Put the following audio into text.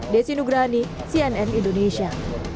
desi nugrani cnn indonesia